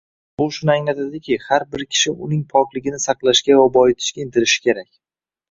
Bu shuni anglatadiki, har bir kishi uning pokligini saqlashga va boyitishga intilishi kerak